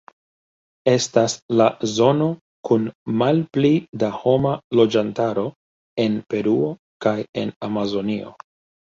Estas la zono kun malpli da homa loĝantaro en Peruo kaj en Amazonio.